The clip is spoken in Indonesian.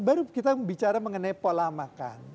baru kita bicara mengenai pola makan